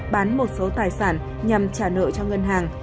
bán một số tài sản nhằm trả nợ cho ngân hàng